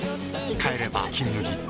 帰れば「金麦」